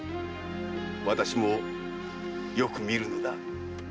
私もよく見るのだ。